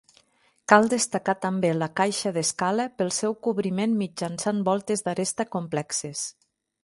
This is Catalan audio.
Cal destacar també la caixa d'escala pel seu cobriment mitjançant voltes d'aresta complexes.